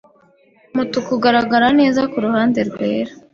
Umutuku ugaragara neza kuruhande rwera.